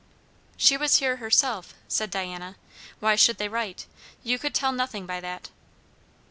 "She was here herself," said Diana; "why should they write? You could tell nothing by that."